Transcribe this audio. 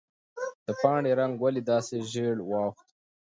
د پاڼې رنګ ولې داسې ژېړ واوښت؟